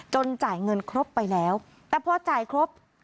จ่ายเงินครบไปแล้วแต่พอจ่ายครบ